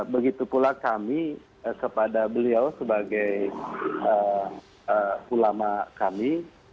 begitu pula kami kepada beliau sebagai ulama kami